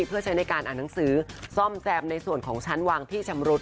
เพื่อใช้ในการอ่านหนังสือซ่อมแซมในส่วนของชั้นวางที่ชำรุด